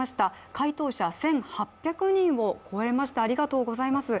回答者１８００人を超えました、ありがとうございます。